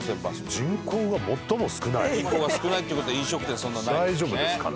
人口が少ないっていう事は飲食店そんなにないですね。